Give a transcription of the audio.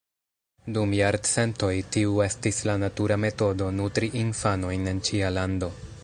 Dum jarcentoj tiu estis la natura metodo nutri infanojn en ĉia lando.